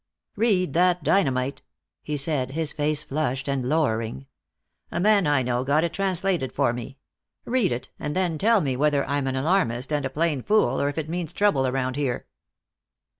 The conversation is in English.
"Read that dynamite," he said, his face flushed and lowering. "A man I know got it translated for me. Read it and then tell me whether I'm an alarmist and a plain fool, or if it means trouble around here."